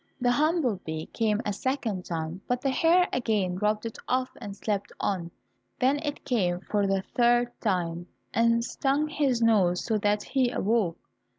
The humble bee came a second time, but the hare again rubbed it off and slept on. Then it came for the third time, and stung his nose so that he awoke.